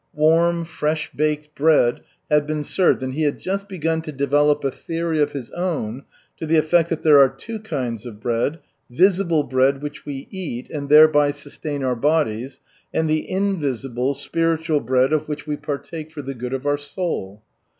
Warm, fresh baked bread had been served, and he had just begun to develop a theory of his own to the effect that there are two kinds of bread, visible bread which we eat and thereby sustain our bodies, and the invisible, spiritual bread of which we partake for the good of our soul.